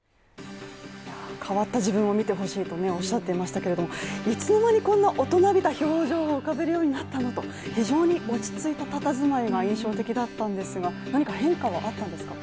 変わった自分を見てほしいとおっしゃっていましたけれども、いつの間にこんな大人びた表情を浮かべるようになったのと、非常に落ち着いた佇まいが印象的だったんですが、何か変化はあったんですか